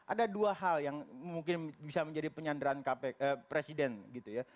ada dua hal yang mungkin bisa menjadi penyanderaan presiden gitu ya